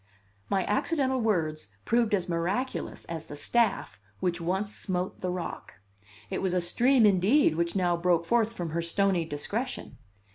My accidental words proved as miraculous as the staff which once smote the rock. It was a stream, indeed, which now broke forth from her stony discretion.